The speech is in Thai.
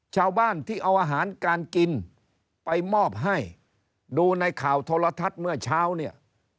ชาวบ้านที่เอาอาหารการกินไปมอบให้ดูในข่าวโทรทัศน์เมื่อเช้าเนี่ย